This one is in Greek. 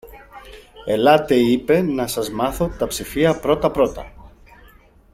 Ελάτε, είπε, να σας μάθω τα ψηφία πρώτα-πρώτα.